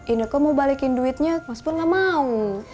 indeke mau balikin duitnya mas pur gak mau